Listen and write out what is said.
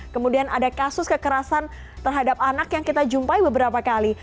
kemudian ada kasus kekerasan terhadap anak yang kita jumpai beberapa kali